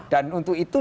dan untuk itu